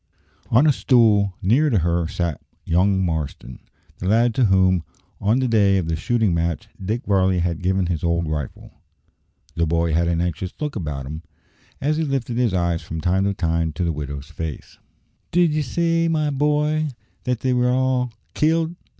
On a stool near to her sat young Marston, the lad to whom, on the day of the shooting match, Dick Varley had given his old rifle. The boy had an anxious look about him, as he lifted his eyes from time to time to the widow's face. "Did ye say, my boy, that they were all killed?"